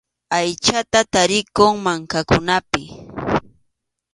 Aychata tarinku mankakunapi.